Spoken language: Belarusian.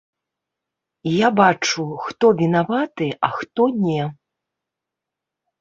Я бачу, хто вінаваты, а хто не.